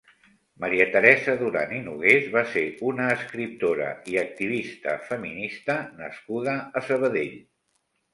Maria Teresa Duran i Nogués va ser una escriptora i activista feminista nascuda a Sabadell.